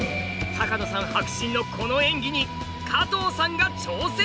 多加野さん迫真のこの演技に加藤さんが挑戦します！